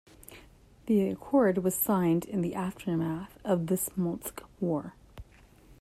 The accord was signed in the aftermath of the Smolensk War.